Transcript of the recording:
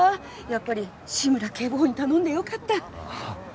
やっぱり志村警部補に頼んでよかったはあ